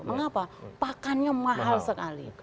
mengapa pakannya mahal sekali